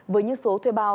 với những số thuê bao